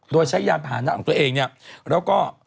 โดยใช้ยานพาหนะของตัวเองเนี่ยแล้วก็